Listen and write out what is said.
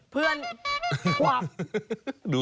เพื่อน